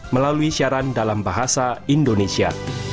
melalui siaran dalam bahasa indonesia